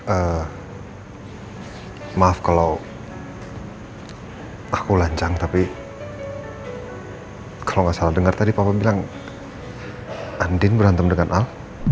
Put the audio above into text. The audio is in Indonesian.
eh maaf kalau aku lancang tapi kalau nggak salah dengar tadi papa bilang andin berantem dengan al